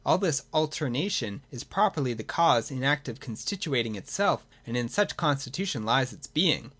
All this alternation is properly the cause in act of constituting itself and in such constitution lies its being.